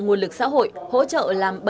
nguồn lực xã hội hỗ trợ làm bảy tám